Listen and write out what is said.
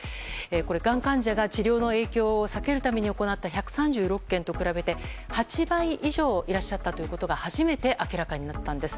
がん患者が治療の影響を避けるために行った１３６件と比べて、８倍以上いらっしゃったということが初めて明らかになったんです。